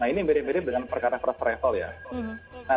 ini mirip mirip dengan percara presol ya